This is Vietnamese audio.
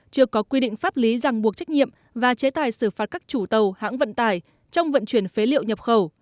chưa có quy định pháp lý ràng buộc trách nhiệm và chế tài xử phạt các chủ tàu hãng vận tải trong vận chuyển phế liệu nhập khẩu